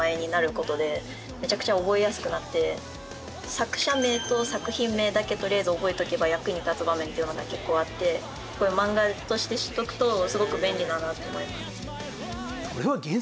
作者名と作品名だけとりあえず覚えておけば役に立つ場面というのが結構あって漫画として知っておくとすごく便利だなって思います。